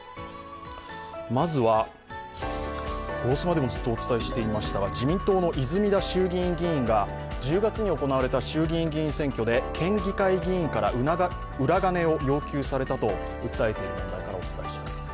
まずは、「ゴゴスマ」でもずっとお伝えしていましたが、自民党の泉田衆議院議員が１０月に行われた衆議院議員選挙で県議会議員から裏金を要求されたと訴えている問題からお伝えします。